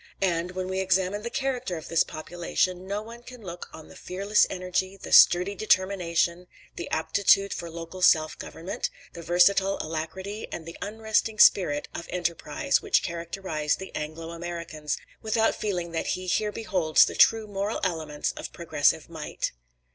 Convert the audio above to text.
And, when we examine the character of this population, no one can look on the fearless energy, the sturdy determination, the aptitude for local self government, the versatile alacrity, and the unresting spirit of enterprise which characterise the Anglo Americans, without feeling that he here beholds the true moral elements of progressive might.